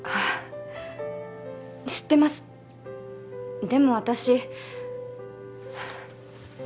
知ってますでも私